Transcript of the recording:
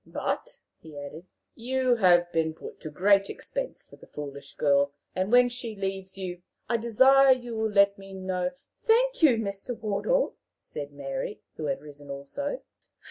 "But," he added, "you have been put to great expense for the foolish girl, and, when she leaves you, I desire you will let me know " "Thank you, Mr. Wardour!" said Mary, who had risen also.